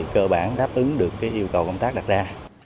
cơ bản đáp ứng được yêu cầu công tác đặt ra